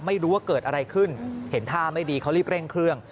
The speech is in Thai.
ไม่รู้ว่าเกิดอะไรขึ้นเห็นท่าไม่ดีเขารีบเร่งเครื่อง